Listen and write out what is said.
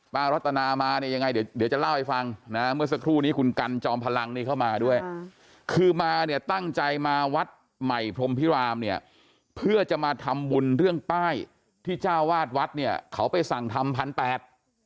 รัตนามาเนี่ยยังไงเดี๋ยวเดี๋ยวจะเล่าให้ฟังนะเมื่อสักครู่นี้คุณกันจอมพลังนี่เข้ามาด้วยคือมาเนี่ยตั้งใจมาวัดใหม่พรมพิรามเนี่ยเพื่อจะมาทำบุญเรื่องป้ายที่เจ้าวาดวัดเนี่ยเขาไปสั่งทำพันแปด